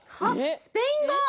スペイン語！